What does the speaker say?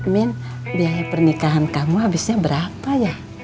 min biaya pernikahan kamu habisnya berapa ya